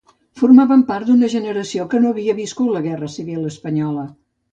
Formaven part d'una generació que no havia viscut la Guerra Civil Espanyola.